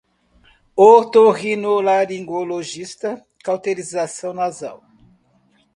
otorrinolaringologistas, cauterização nasal